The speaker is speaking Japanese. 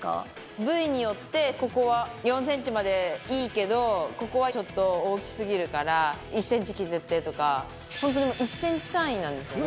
部位によって、ここは４センチまでいいけど、ここはちょっと大きすぎるから１センチ削ってとか、本当に１センチ単位なんですよね。